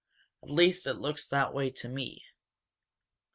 At least it looks that way to me."